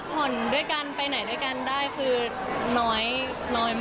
ก็ยังรักกันดีเหมือนเดิม